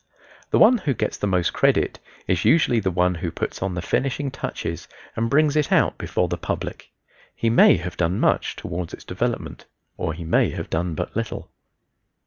The one who gets the most credit is usually the one who puts on the finishing touches and brings it out before the public. He may have done much toward its development or he may have done but little.